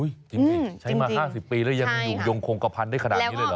จริงใช้มา๕๐ปีแล้วยังอยู่ยงคงกระพันธ์ได้ขนาดนี้เลยเหรอ